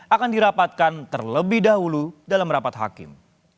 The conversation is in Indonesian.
akan dirapatkan terlebih dahulu dalam rapat hakim